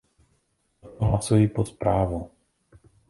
Proto hlasuji pro zprávu.